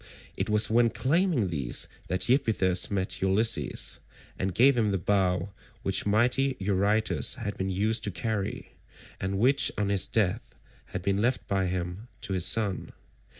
It was when claiming these that Iphitus met Ulysses, and gave him the bow which mighty Eurytus had been used to carry, and which on his death had been left by him to his son.